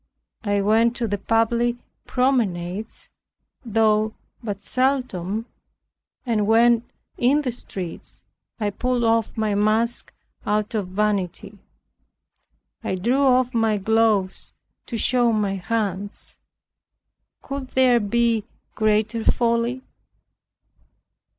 I went to the public promenades (though but seldom) and when in the streets, I pulled off my mask out of vanity. I drew off my gloves to show my hands. Could there be greater folly?